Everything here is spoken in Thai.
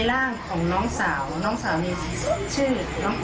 ทำไมฟองฟองมาพูดให้บีบีแบบนี้